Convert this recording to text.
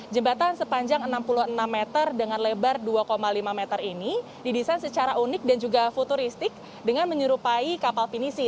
jembatan sepanjang enam puluh enam meter dengan lebar dua lima meter ini didesain secara unik dan juga futuristik dengan menyerupai kapal pinisi